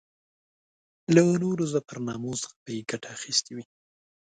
له نورو ظفرنامو څخه به یې ګټه اخیستې وي.